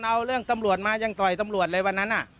เอาเรื่องตำรวจมายังต่อยตำรวจเลยวันนั้น